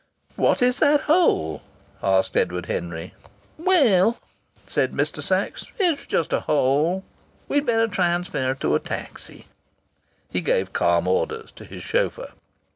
"What is that hole?" asked Edward Henry. "Well," said Mr. Sachs, "it's just a hole. We'd better transfer to a taxi." He gave calm orders to his chauffeur.